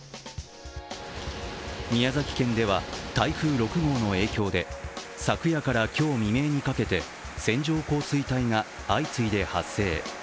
宮崎県では台風６号の影響で昨夜から今日未明にかけて線状降水帯が相次いで発生。